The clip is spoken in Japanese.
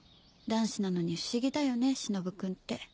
男子なのに不思議だよねしのぶくんって。